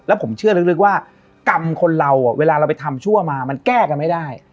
ผมเชื่อลึกว่ากรรมคนเราเวลาเราไปทำชั่วมามันแก้กันไม่ได้